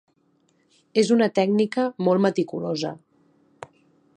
És una tècnica molt meticulosa.